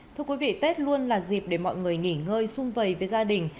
thưa quý vị tết luôn là dịp để mọi người nghỉ ngơi xung vầy với gia đình